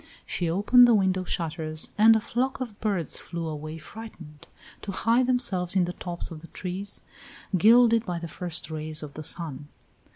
She opened the window shutters and a flock of birds flew away frightened, to hide themselves in the tops of the trees, gilded by the first rays of the sun.